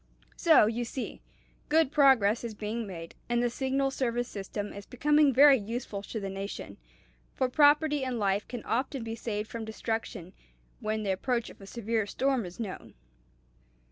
So, you see, good progress is being made; and the Signal Service system is becoming very useful to the nation, for property and life can often be saved from destruction when the approach of a severe storm is known.